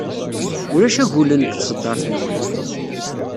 Ulac agulen deg tṣeddart-nwen.